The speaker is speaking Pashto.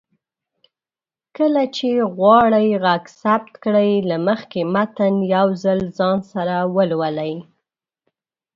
کله چې غواړئ غږ ثبت کړئ، له مخکې متن يو ځل ځان سره ولولئ